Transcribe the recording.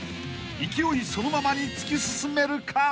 ［勢いそのままに突き進めるか］